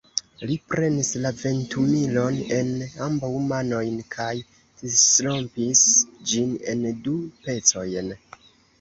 Li prenis la ventumilon en ambaŭ manojn kaj disrompis ĝin en du pecojn.